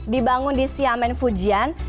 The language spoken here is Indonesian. dibangun di chiamen fujian